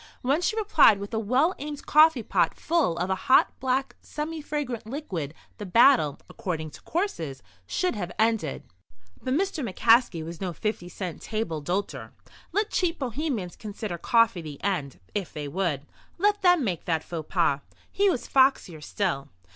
When she replied with a well aimed coffee pot full of a hot, black, semi fragrant liquid the battle, according to courses, should have ended. But Mr. McCaskey was no 50 cent table d'hôter. Let cheap Bohemians consider coffee the end, if they would. Let them make that faux pas. He was foxier still.